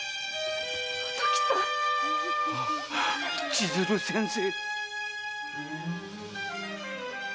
千鶴先生！